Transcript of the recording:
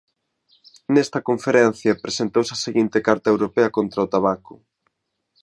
Nesta Conferencia presentouse a seguinte Carta Europea contra o Tabaco.